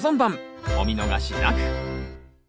お見逃しなく！